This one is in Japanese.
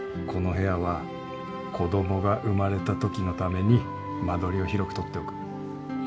この部屋は子供が生まれたときのために間取りを広く取っておく。